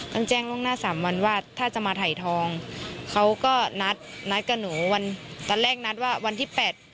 ต้องแจ้งล่วงหน้าสามวันว่าถ้าจะมาถ่ายทองเขาก็นัดนัดกับหนูวันตอนแรกนัดว่าวันที่แปด